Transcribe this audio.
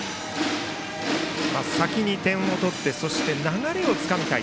先に点を取って流れをつかみたい。